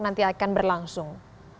nanti akan berlangsung